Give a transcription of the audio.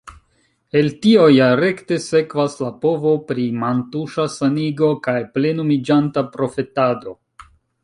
El tio ja rekte sekvas la povo pri mantuŝa sanigo kaj plenumiĝanta profetado.